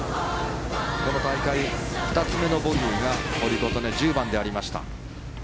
この大会、２つ目のボギーが堀琴音、１０番でありました。